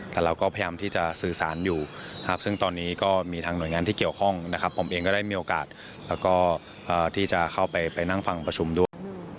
แต่เราก็พยายามที่จะสื่อสารอยู่นะครับซึ่งตอนนี้ก็มีทางหน่วยงานที่เกี่ยวข้องนะครับผมเองก็ได้มีโอกาสแล้วก็ที่จะเข้าไปนั่งฟังประชุมด้วย